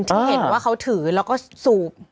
ที่เห็นว่าเขาถือแล้วก็สูบ